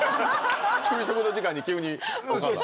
給食の時間にお母さん。